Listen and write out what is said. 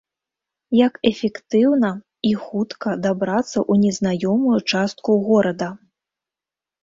Як эфектыўна і хутка дабрацца ў незнаёмую частку горада?